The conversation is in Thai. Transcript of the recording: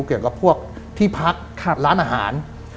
เกี่ยวกับพวกที่พักร้านอาหาร